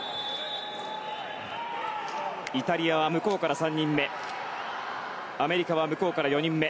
イタリアは向こうから３人目アメリカは向こうから４人目。